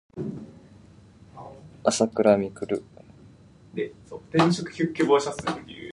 あさくらみくる